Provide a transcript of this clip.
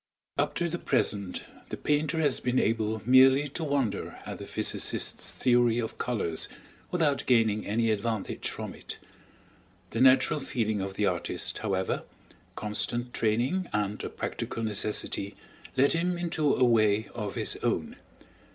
Up to the present the painter has been able merely to wonder at the physicist's theory of colors, without gaining any advantage from it. The natural feeling of the artist, however, constant training, and a practical necessity led him into a way of his own.